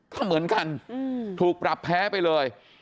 ก็เหมือนกันถูกปรับแพ้ไปเลย